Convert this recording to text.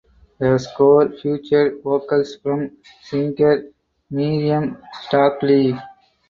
The score featured vocals from singer Miriam Stockley.